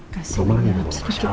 kasih dia sedikit